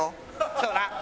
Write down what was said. そうな。